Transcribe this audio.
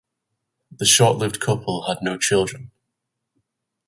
The short-lived couple had no children.